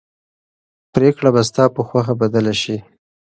پرېکړه به ستا په خوښه بدله شي.